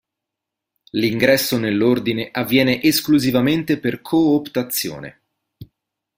L'ingresso nell'Ordine avviene esclusivamente per cooptazione.